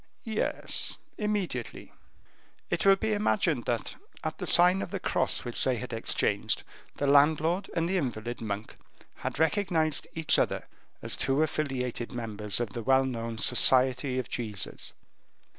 "Yes, immediately." It will be imagined that, at the sign of the cross which they had exchanged, the landlord and the invalid monk had recognized each other as two affiliated members of the well known Society of Jesus.